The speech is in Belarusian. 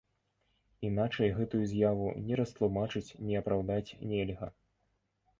Іначай гэтую з'яву ні растлумачыць, ні апраўдаць нельга.